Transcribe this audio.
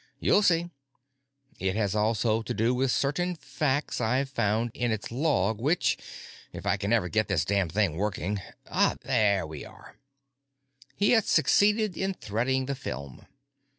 You'll see. It has also to do with certain facts I've found in its log which, if I can ever get this damned thing working——There we are." He had succeeded in threading the film.